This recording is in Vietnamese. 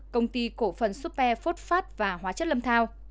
công ty cổ phần super phốt phát và hóa chất lâm thao